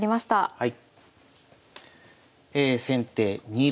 はい。